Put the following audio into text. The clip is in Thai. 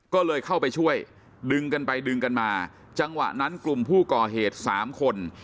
ก็เลยเข้าไปช่วยดึงกันไปดึงกันมาจังหวะนั้นกลุ่มผู้ก่อเหตุสามคน